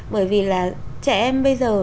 bởi vì là trẻ em bây giờ